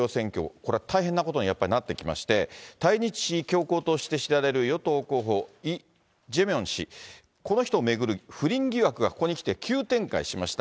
これは大変なことにやっぱりなってきまして、対日強硬として知られる与党候補、イ・ジェミョン氏、この人巡る不倫疑惑がここに来て、急展開しました。